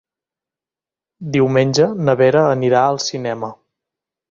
Diumenge na Vera anirà al cinema.